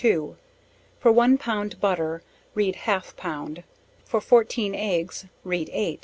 2; for one pound butter, read half pound for 14 eggs read 8.